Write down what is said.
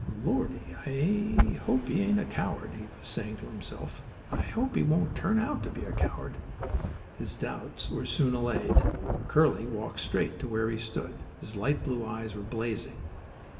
"Lordy, I hope he ain't a coward," he was saying to himself. "I hope he won't turn out to be a coward." His doubts were soon allayed. Curly walked straight to where he stood. His light blue eyes were blazing.